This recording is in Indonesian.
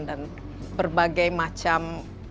dan berbagai macam